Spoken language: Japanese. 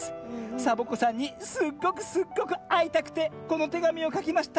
サボ子さんにすっごくすっごくあいたくてこのてがみをかきました」。